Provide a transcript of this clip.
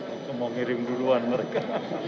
itu mau ngirim duluan mereka